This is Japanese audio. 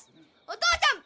お父ちゃん！